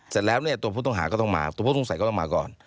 เสร็จแล้วเนี่ยตัวผู้ต้องหาก็ต้องมาตัวผู้ต้องใส่ก็ต้องมาก่อน